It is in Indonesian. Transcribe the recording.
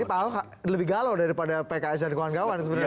jadi pak ahok lebih galau daripada pks dan keuang keuang sebenarnya